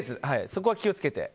そこは気を付けて。